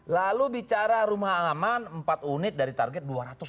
lalu bicara rumah alaman empat unit dari target dua ratus enam puluh tujuh